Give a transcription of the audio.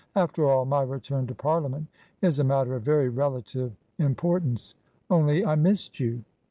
After all, my return to Parliament is a matter of very relative importance. Only I missed you."